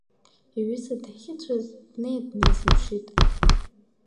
Иҩыза дахьыцәаз днеин днеизыԥшит.